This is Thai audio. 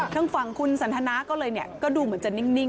ทางฝั่งคุณสันทนาก็เลยก็ดูเหมือนจะนิ่ง